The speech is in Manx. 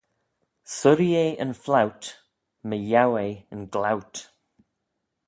Surree eh yn flout, my yiow eh yn glout